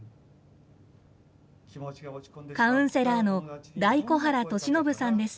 カウンセラーの大小原利信さんです。